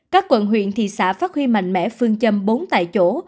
các quận huyện thị xã phát huy mạnh mẽ phương châm bốn tại chỗ